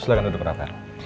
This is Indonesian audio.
silahkan duduk rafael